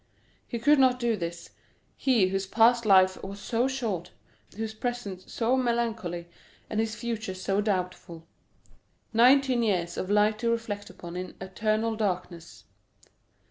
He could not do this, he whose past life was so short, whose present so melancholy, and his future so doubtful. Nineteen years of light to reflect upon in eternal darkness!